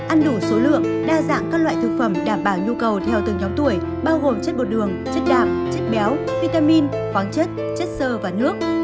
ăn đủ số lượng đa dạng các loại thực phẩm đảm bảo nhu cầu theo từng nhóm tuổi bao gồm chất bột đường chất đạp chất béo vitamin khoáng chất chất sơ và nước